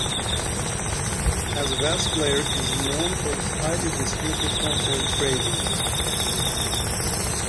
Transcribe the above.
As a bass player, he is known for his highly distinctive tone and phrasing.